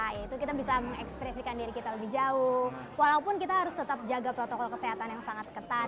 nah itu kita bisa mengekspresikan diri kita lebih jauh walaupun kita harus tetap jaga protokol kesehatan yang sangat ketat